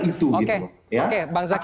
itu gitu oke oke bang zaki